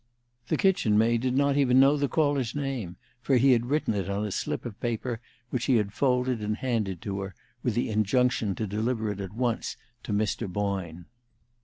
The kitchen maid did not even know the caller's name, for he had written it on a slip of paper, which he had folded and handed to her, with the injunction to deliver it at once to Mr. Boyne.